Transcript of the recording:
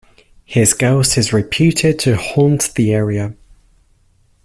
His ghost is reputed to haunt the area.